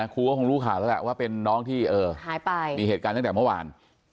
ครูก็คงรู้ข่าวแล้วแหละว่าเป็นน้องที่หายไปมีเหตุการณ์ตั้งแต่เมื่อวาน